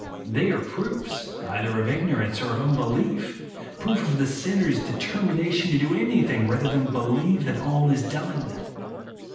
They are proofs either of ignorance or of mibelief.— proofs of the sinner's determination to do any thing rather than believe that all is done.